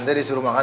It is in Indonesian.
dia disuruh makan